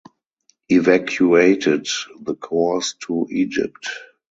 Evacuated the corps to Egypt.